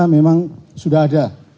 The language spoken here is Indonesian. memang sudah ada